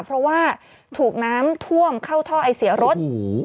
เพราะว่าถูกน้ำท่วมเข้าท่อไอเสียรถ